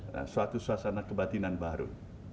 nah suatu suasana kebatinan baru